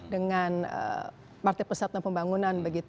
dengan partai persatuan pembangunan